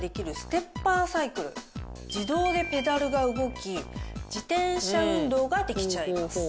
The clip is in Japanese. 自動でペダルが動き自転車運動ができちゃいます。